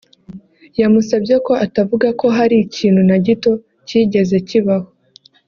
yamusabye ko atavuga ko hari ikintu na gito cyigeze kibaho